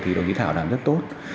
thì đồng chí thảo đảm rất tốt